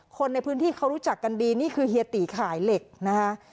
คนในพื้นที่เขารู้จักกันดีนี่คือเฮียตีขายเหล็กนะคะ